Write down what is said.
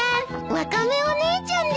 ワカメお姉ちゃんです。